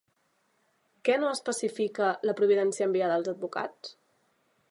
Què no especifica la providència enviada als advocats?